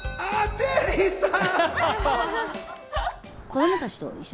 テリーさん！